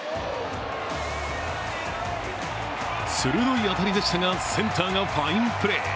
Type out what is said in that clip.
鋭い当たりでしたがセンターがファインプレー。